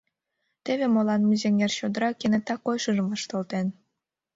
Теве молан Мызеҥер чодыра кенета койышыжым вашталтен!